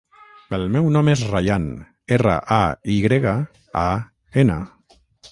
El meu nom és Rayan: erra, a, i grega, a, ena.